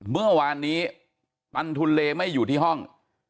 เมื่อวานนี้ปันทุนเลไม่อยู่ที่ห้อง